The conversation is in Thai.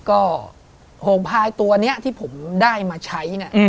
ก็โหมพลายตัวนี้ที่ผมได้มาใช้